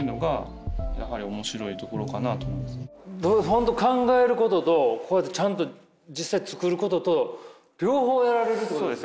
本当考えることとこうやってちゃんと実際作ることと両方やられるってことですね？